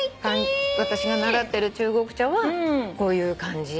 私が習ってる中国茶はこういう感じ。